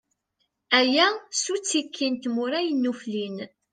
Aya, s uttiki n tmura yennuflin.